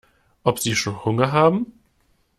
Ob sie schon Hunger haben?